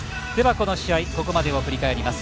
この試合をここまでを振り返ります。